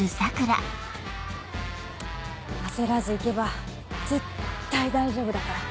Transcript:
焦らず行けば絶対大丈夫だから。